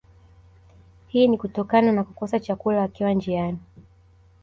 Hii ni kutokana na kukosa chakula wakiwa njiani